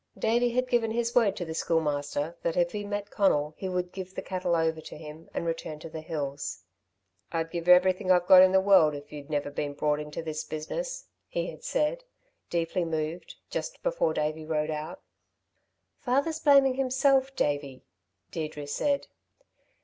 Davey had given his word to the Schoolmaster that if he met Conal he would give the cattle over to him and return to the hills. "I'd give everything I've got in the world if you'd never been brought into this business," he had said, deeply moved, just before Davey rode out. "Father's blaming himself, Davey," Deirdre said.